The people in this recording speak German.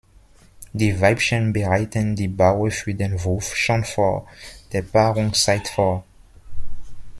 Die Weibchen bereiten die Baue für den Wurf schon vor der Paarungszeit vor.